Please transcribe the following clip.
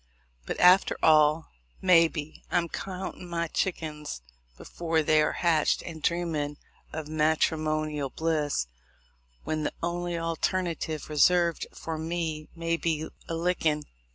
But, after all, maybe I'm countin' my chickins before they are hatched, and dreamin' of matrimonial bliss when the only alternative reserved for me may be a lickin'.